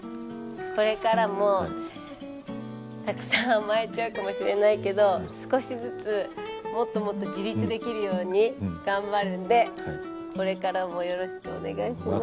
これからもたくさん甘えちゃうかもしれないけど少しずつもっともっと自立できるように頑張るんで、これからもよろしくお願いします。